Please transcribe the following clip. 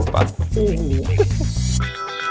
ปล่อยปล่อยปล่อยปล่อย